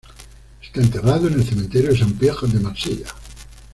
Está enterrado en el cementerio de Saint-Pierre de Marsella.